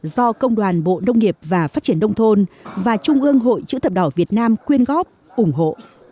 do công đoàn bộ nông nghiệp và phát triển đông thôn và trung ương hội chữ thập đỏ việt nam quyên góp ủng hộ